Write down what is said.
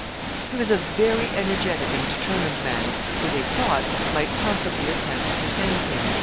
He was a very energetic and determined man, who, they thought, might possibly attempt to defend him.